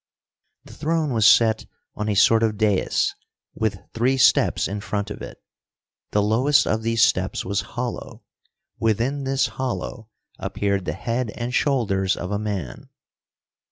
The throne was set on a sort of dais, with three steps in front of it. The lowest of these steps was hollow. Within this hollow appeared the head and shoulders of a man.